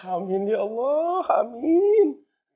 amin ya allah amin